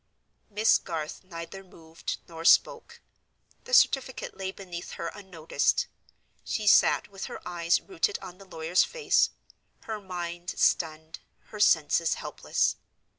Miss Garth neither moved nor spoke. The certificate lay beneath her unnoticed. She sat with her eyes rooted on the lawyer's face; her mind stunned, her senses helpless.